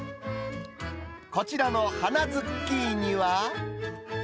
こちらの花ズッキーニは。